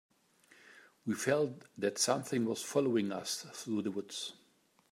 We felt that something was following us through the woods.